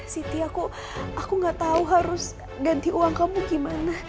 siti aku aku gak tahu harus ganti uang kamu gimana